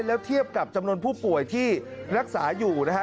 แล้วเทียบกับจำนวนผู้ป่วยที่รักษาอยู่นะฮะ